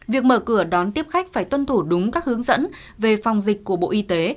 việc mở cửa đón tiếp khách phải tuân thủ đúng các hướng dẫn về phòng dịch của bộ y tế